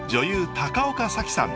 高岡早紀さん。